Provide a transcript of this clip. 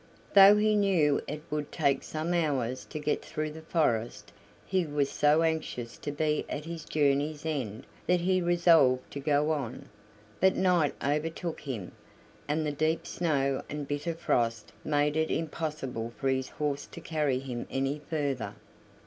Though he knew it would take some hours to get through the forest, he was so anxious to be at his journey's end that he resolved to go on; but night overtook him, and the deep snow and bitter frost made it impossible for his horse to carry him any further.